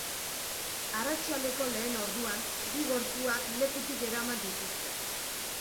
Arratsaldeko lehen orduan, bi gorpuak lekutik eraman dituzte.